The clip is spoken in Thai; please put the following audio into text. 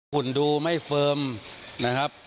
อุ่นดูไม่เฟิร์มนะครับ